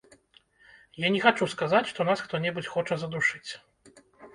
Я не хачу сказаць, што нас хто-небудзь хоча задушыць.